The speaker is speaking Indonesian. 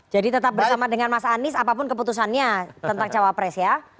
jadi tetap bersama dengan mas anies apapun keputusannya tentang cowok pres ya